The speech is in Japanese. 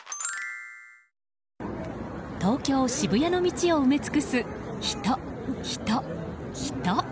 東京・渋谷の道を埋め尽くす人、人、人！